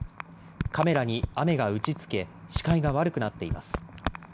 カメラに雨が打ちつけ視界が悪くなっています。